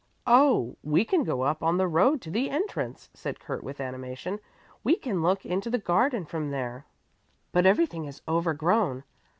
"Oh, we can go up on the road to the entrance," said Kurt with animation. "We can look into the garden from there, but everything is overgrown.